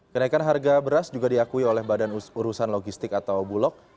kenaikan harga beras juga diakui oleh badan urusan logistik atau bulog